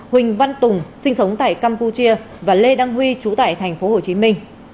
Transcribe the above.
huỳnh văn tùng sinh sống tại campuchia và lê đăng huy trú tại thành phố hồ chí minh